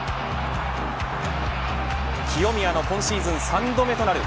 清宮の今シーズン３度目となる